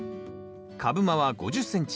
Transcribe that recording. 株間は５０ｃｍ。